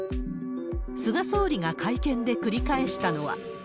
菅総理が会見で繰り返したのは。